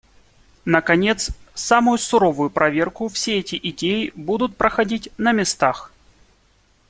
Наконец, самую суровую проверку все эти идеи будут проходить на местах.